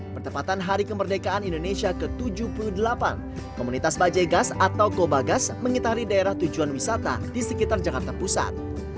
pertempatan hari kemerdekaan indonesia ke tujuh puluh delapan komunitas bajai gas atau kobagas mengitari daerah tujuan wisata di sekitar jakarta pusat